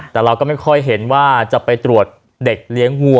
แต่เราก็ไม่ค่อยเห็นว่าจะไปตรวจเด็กเลี้ยงวัว